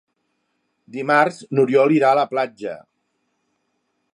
Dimarts n'Oriol irà a la platja.